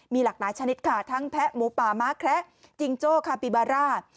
มีหลากหลายชนิดค่ะทั้งแพะหมูป่าม้าแคระจิงโจ้คาปิบาร่า